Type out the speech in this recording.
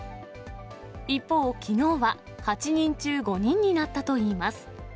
一方、きのうは８人中５人になったといいます。